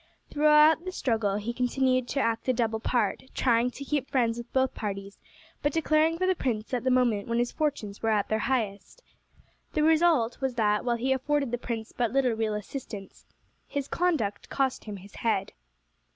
Throughout the struggle he continued to act a double part, trying to keep friends with both parties, but declaring for the prince at the moment when his fortunes were at their highest. The result was that while he afforded the prince but little real assistance, his conduct cost him his head.